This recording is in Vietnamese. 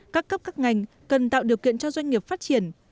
cắt cấp các ngành cần tạo điều kiện cho doanh nghiệp tư nhân